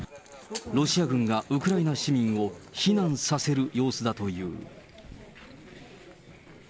ロシア軍がウクライナ市民を避難させる様子だという。